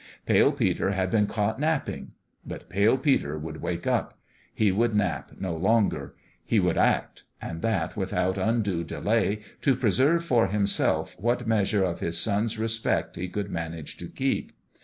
Pale Peter had been caught napping. But Pale Peter would wake up ; he would nap no longer he would act, and that without un due delay, to preserve for himself what measure of his son's respect he could manage to keep.